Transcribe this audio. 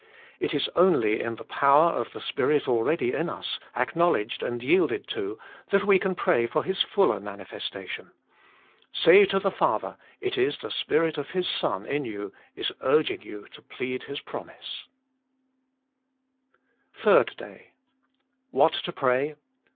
It is only in the power of the Spirit already in us, acknowledged and yielded to, that we can pray for His fuller manifestation. Say to the Father, it is the Spirit of His Son in you is urging you to plead His promise. SPECIAL PKTIT10XS THE MINISTRY OF INTERCESSION THI RD DAY WHAT TO PRAY.